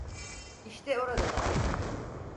İşte oradalar.